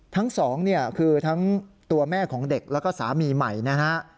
ทั้ง๒คือทั้งตัวแม่ของเด็กแล้วก็สามีใหม่นะครับ